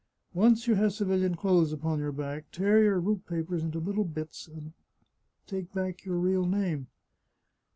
Once you have civilian clothes upon your back, tear your route papers into little bits, and take back your real name.